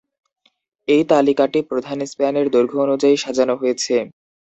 এই তালিকাটি প্রধান স্প্যানের দৈর্ঘ্য অনুযায়ী সাজানো হয়েছে।